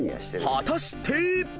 果たして］